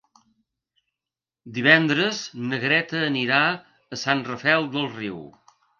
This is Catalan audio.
Divendres na Greta anirà a Sant Rafel del Riu.